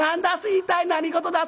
一体何事だす？